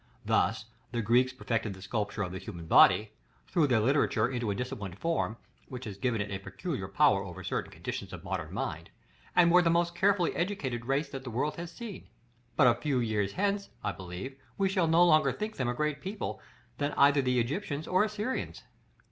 Thus the Greeks perfected the sculpture of the human body; threw their literature into a disciplined form, which has given it a peculiar power over certain conditions of modern mind; and were the most carefully educated race that the world has seen; but a few years hence, I believe, we shall no longer think them a greater people than either the Egyptians or Assyrians.